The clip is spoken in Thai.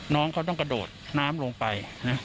น้องเขาต้องกระโดดน้ำลงไป